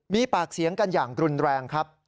มีปากเสียงกันอย่างรุนแรงครับ